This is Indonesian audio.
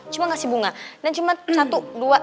cuma ngasih bunga dan cuma satu dua